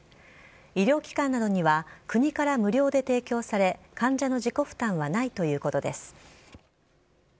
医療機関などには、国から無料で提供され、患者の自己負担はないということです。